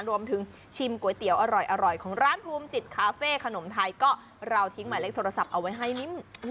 ชิมก๋วยเตี๋ยวอร่อยของร้านภูมิจิตคาเฟ่ขนมไทยก็เราทิ้งหมายเลขโทรศัพท์เอาไว้ให้ลิ้ม